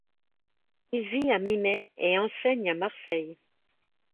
Il vit à Mimet et enseigne à Marseille.